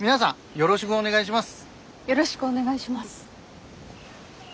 よろしくお願いします。